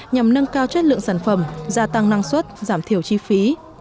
nhằm nâng cao chất lượng sản phẩm gia tăng năng suất giảm thiểu chi phí